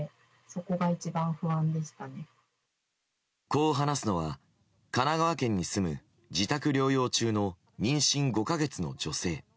こう話すのは神奈川県に住む自宅療養中の妊娠５か月の女性。